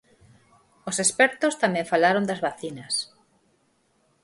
Os expertos tamén falaron das vacinas.